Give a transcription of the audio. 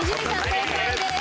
正解です。